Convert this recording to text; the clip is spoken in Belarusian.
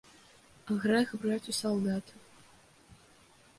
Грэх браць у салдата.